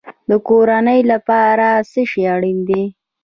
د کورنۍ لپاره څه شی اړین دی؟